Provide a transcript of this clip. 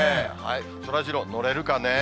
そらジロー、乗れるかな。